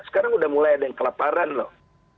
sekarang udah mulai ada yang kelaparan loh